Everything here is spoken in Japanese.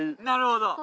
なるほど。